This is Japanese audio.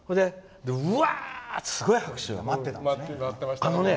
うわーってすごい拍手が待ってたのね。